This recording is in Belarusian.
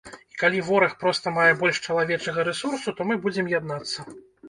І калі вораг проста мае больш чалавечага рэсурсу, то мы будзем яднацца.